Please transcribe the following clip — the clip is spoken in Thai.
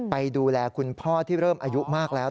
ไปดูแลคุณพ่อที่เริ่มอายุมากแล้ว